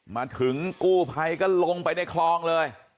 มาถึงกู้ภัยก็ลงไปในคลองเลย